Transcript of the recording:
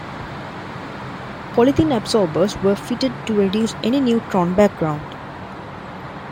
Polythene absorbers were fitted to reduce any neutron background.